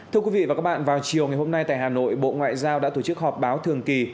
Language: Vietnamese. thưa quý vị và các bạn vào chiều ngày hôm nay tại hà nội bộ ngoại giao đã tổ chức họp báo thường kỳ